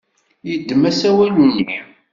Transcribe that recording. Yeddem asawal-nni.